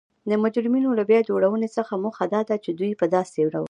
د مجرمینو له بیا جوړونې څخه موخه دا ده چی دوی په داسې ډول